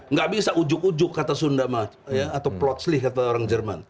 nggak bisa ujuk ujuk kata sunda atau plotslih kata orang jerman